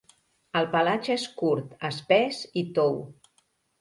El pelatge és curt, espès i tou.